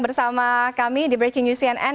bersama kami di breaking news cnn